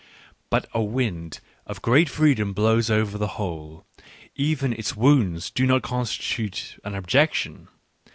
But a wind of great freedom blows over the whole; even its wounds do not constitute an objection.